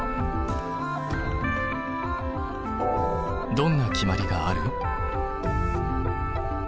どんな決まりがある？